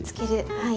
はい。